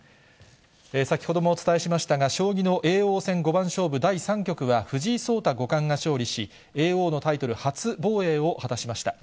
先ほどもお伝えしましたが、将棋の叡王戦五番勝負第３局は、藤井聡太五冠が勝利し、叡王のタイトル初防衛を果たしました。